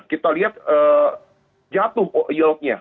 kita lihat jatuh yieldnya